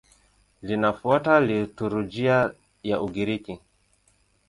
Linafuata liturujia ya Ugiriki.